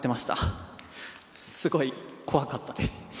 すごい怖かったです。